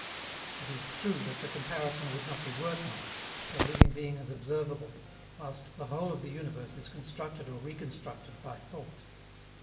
It is true that the comparison would not be worth much, for a living being is observable, whilst the whole of the universe is constructed or reconstructed by thought.